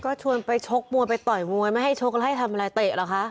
ก็ชวนไปชกมวยไปต่อยมวยไม่ให้ชกแล้วให้ทำอะไรเตะเหรอคะ